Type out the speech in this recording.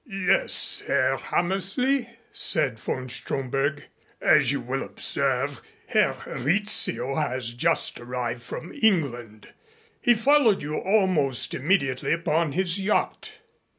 "Yes, Herr Hammersley," said von Stromberg. "As you will observe, Herr Rizzio has just arrived from England. He followed you almost immediately upon his yacht.